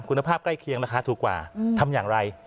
คุณภาพใกล้เคียงราคาถูกกว่าทำอย่างไร